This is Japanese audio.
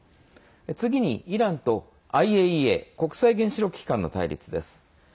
次にイランとＩＡＥＡ＝国際原子力機関の対立です。